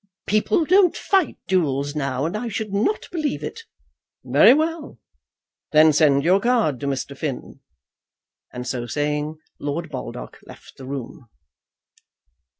People don't fight duels now, and I should not believe it." "Very well. Then send your card to Mr. Finn." And, so saying, Lord Baldock left the room.